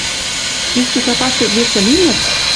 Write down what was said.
Ик тетя паштек весӹ лимӹк, —